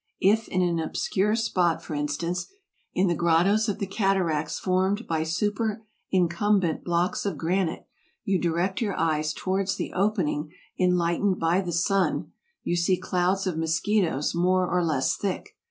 If in an obscure spot, for instance, in the grottos of the cataracts formed by superincumbent blocks of granite, you direct your eyes towards the opening enlightened by the sun, you see clouds of mos quitoes more or less thick.